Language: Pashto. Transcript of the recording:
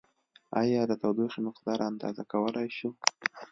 ایا د تودوخې مقدار اندازه کولای شو؟